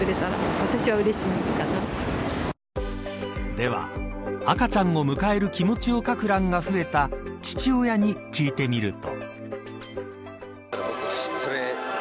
では、赤ちゃんを迎える気持ちを書く欄が増えた父親に聞いてみると。